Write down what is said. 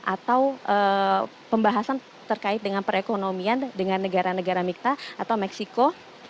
atau pembahasan terkait dengan perekonomian dengan negara negara mikta atau meksiko